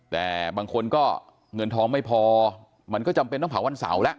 แต่บางคนก็เงินทองไม่พอมันก็จำเป็นต้องเผาวันเสาร์แล้ว